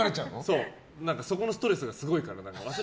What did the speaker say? そう、そこのストレスがすごいから。